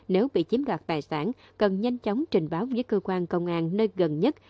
nếu bị chiếm đoạt tài sản cần nhanh chóng trình báo với cơ quan công an nơi gần nhất